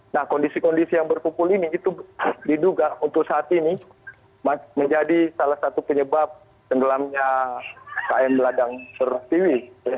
nah kondisi kondisi yang berkumpul ini itu diduga untuk saat ini menjadi salah satu penyebab tenggelamnya km ladang sertiwi